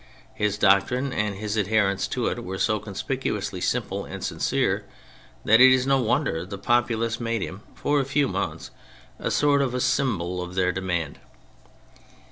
His doctrine and his adher ence to it were so conspicuously simple and sincere that it is no wonder the populace made him (for a few months) a sort of symbol of their demand.